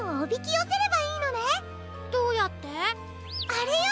あれよ！